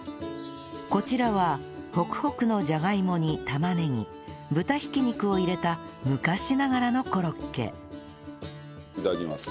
こちらはホクホクのジャガイモに玉ねぎ豚ひき肉を入れた昔ながらのコロッケいただきます。